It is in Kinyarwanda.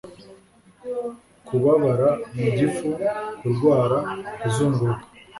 kubabara mu gifu, kurwara, kuzunguruka